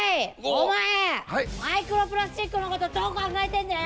お前マイクロプラスチックのことどう考えてんだよ！？